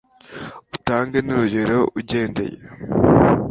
utange n'urugero ugendeye